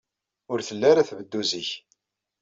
Ur telli ara tbeddu zik.